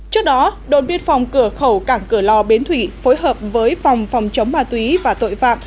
trước đó đồn biên phòng cửa khẩu cảng cửa lò bến thủy phối hợp với phòng phòng chống ma túy và tội phạm